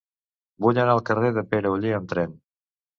Vull anar al carrer de Pere Oller amb tren.